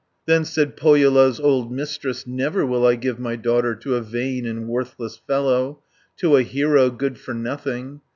Then said Pohjola's old Mistress, "Never will I give my daughter To a vain and worthless fellow, To a hero good for nothing.